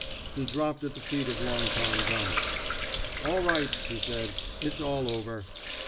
' He dropped at the feet of ^^ Long Tom ^^ Donnelly. '' All right, he said; ^^ it's all over.'